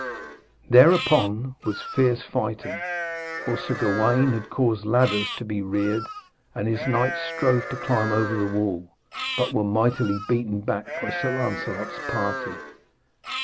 Thereupon there was fierce fighting, for Sir Gawaine caused ladders to be reared, and his knights strove to climb over the Wall, but were mightily beaten back by Sir Lancelot's party.